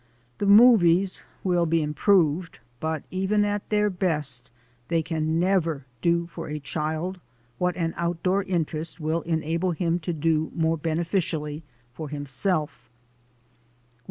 The movies will be improved, but even at their best they can never do for a child what an outdoor in terest will enable him to do more beneficially for himself.